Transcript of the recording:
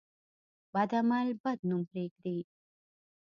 بد عمل بد نوم پرېږدي.